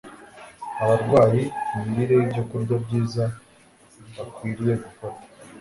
abarwayi imirire yibyokurya byiza bakwiriye gufata